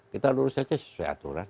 kita lurus saja sesuai aturan